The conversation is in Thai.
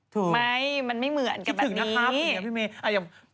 ถูกคิดถึงนะครับพี่เมย์มันไม่เหมือนกับแบบนี้